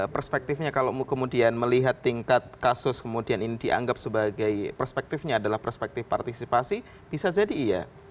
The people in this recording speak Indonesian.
perspektifnya kalau kemudian melihat tingkat kasus kemudian ini dianggap sebagai perspektifnya adalah perspektif partisipasi bisa jadi iya